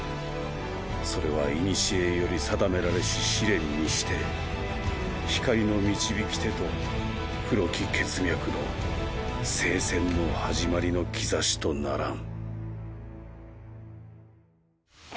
それは古より定められし試練にして光の導き手と黒き血脈の聖戦の始まりの兆しとならん」。